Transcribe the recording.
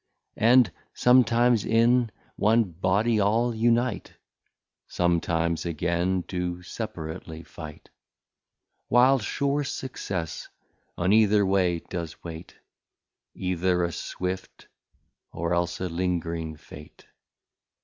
And sometimes in One Body all Unite, Sometimes again do separately fight: While sure Success on either Way does waite, Either a Swift, or else a Ling'ring Fate.